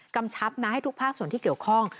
กำชับนะให้ทุกภาคส่วนที่เกี่ยวข้อง